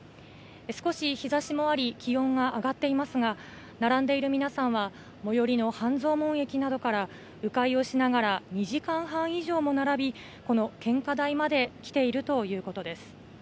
少し日ざしもあり、気温が上がっていますが、並んでいる皆さんは、最寄りの半蔵門駅などから、う回をしながら２時間半以上も並び、この献花台まで来ているということです。